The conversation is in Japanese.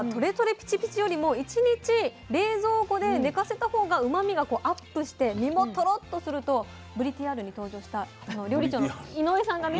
ピチピチよりも１日冷蔵庫で寝かせたほうがうまみがアップして身もトロッとするとぶりＴＲに登場したあの料理長の井上さんがね